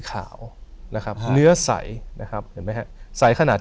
เข้าไปถึงข้างในเลยนะ